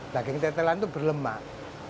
daging tetelan itu berlemak